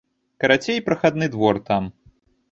Карацей, прахадны двор там.